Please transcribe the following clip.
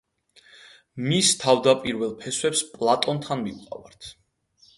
მის თავდაპირველ ფესვებს პლატონთან მივყავართ.